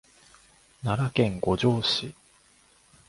奈良県五條市